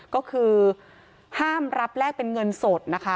ก็คือห้ามรับแลกเป็นเงินสดนะคะ